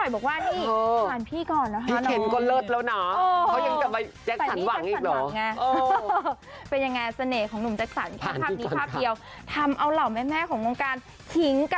บอกว่าแม่ไปต่อคิวหน่อยนะแม่นะ